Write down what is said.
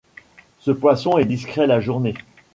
Ce poisson est discret la journée.